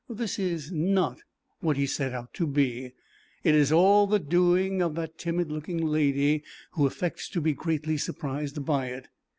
This is not what he set out to be; it is all the doing of that timid looking lady who affects to be greatly surprised by it.